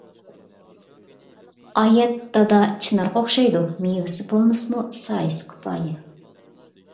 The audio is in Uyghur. -ئايەت دادا چىنارغا ئوخشايدۇ، مېۋىسى بولمىسىمۇ، سايىسى كۇپايە.